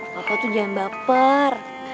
papa tuh jangan baper